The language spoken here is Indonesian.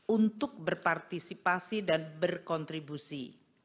untuk berpartisipasi dan berkontribusi